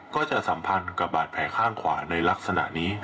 สัมพันธ์กับบาดแผลข้างขวาในลักษณะนี้